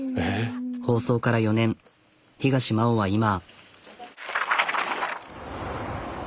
放送から４年東真央は今。